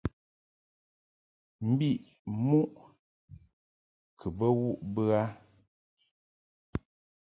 Mbiʼ muʼ kɨ bə wuʼ bə a .